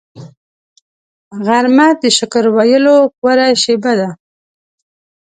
غرمه د شکر ویلو غوره شیبه ده